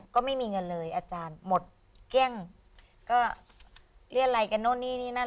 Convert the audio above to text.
ก็ไม่มีเงินเลยอาจารย์หมดเกลี้ยงก็เรียรัยกันนู่นนี่นี่นั่น